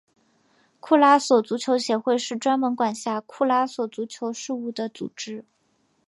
库拉索足球协会是专门管辖库拉索足球事务的组织。